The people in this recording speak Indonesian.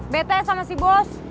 betes sama si bos